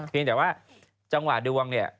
เพียงแต่ว่าจังหวะดวงเนี่ย